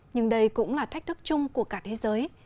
nhưng đây cũng là thách thức chung của cả thế giới